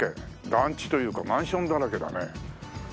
団地というかマンションだらけだね。